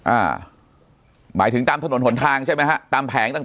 อ่าหมายถึงตามถนนหนทางใช่ไหมฮะตามแผงต่าง